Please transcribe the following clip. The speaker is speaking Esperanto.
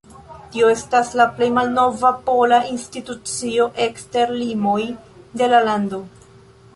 Tio estas la plej malnova pola institucio ekster limoj de la lando.